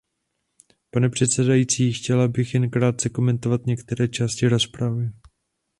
Pane předsedající, chtěla bych jen krátce komentovat některé části rozpravy.